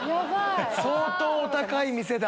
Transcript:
相当お高い店だ。